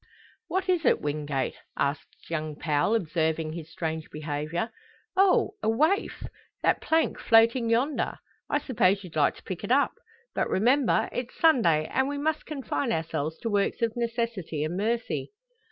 "What is it, Wingate?" asks young Powell, observing his strange behaviour. "Oh! a waif that plank floating yonder! I suppose you'd like to pick it up! But remember! it's Sunday, and we must confine ourselves to works of necessity and mercy."